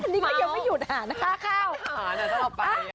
นี่ก็ยังไม่หยุดหารค่า